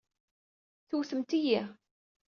Tewtemt-iyi.